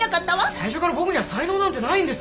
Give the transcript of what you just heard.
最初から僕には才能なんてないんです。